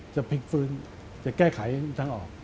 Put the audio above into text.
จะพลิกฟื้นจะแก้ไขทางออก